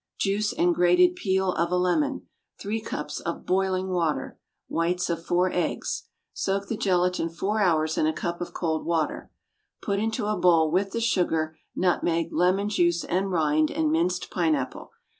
Juice and grated peel of a lemon. Three cups of boiling water. Whites of four eggs. Soak the gelatine four hours in a cup of cold water. Put into a bowl with the sugar, nutmeg, lemon juice, and rind and minced pineapple.